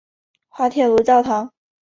滑铁卢教堂。